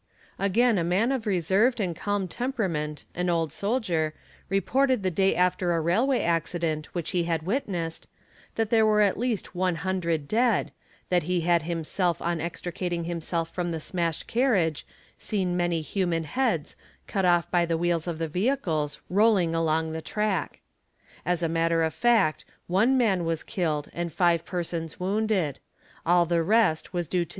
_ Again a man of reserved and calm temperament, an old soldier, DSA A ERIN RS HA AINA NON A Bae met "reported the day after a railway accident which he had witnessed, that ; there were at least one hundred dead, that he had himself on extricating (19 oA mL himself from the smashed carriage seen many human heads, cut off by the wheels of the vehicles, rolling along the track. As a matter of fact, 'one man was killed and five persons wounded: all the rest was due to ie |